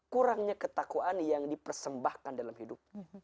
kurangnya ketakwaan yang dipersembahkan dalam hidup